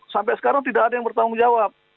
sampai sekarang tidak ada yang bertanggung jawab